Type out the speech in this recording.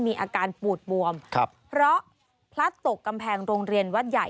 มีอาการปูดบวมครับเพราะพลัดตกกำแพงโรงเรียนวัดใหญ่